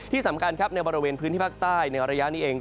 ที่สำคัญครับในบริเวณพื้นที่ภาคใต้ในระยะนี้เอง